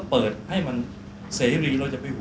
เปิดให้มันเสรีเราจะไปหัว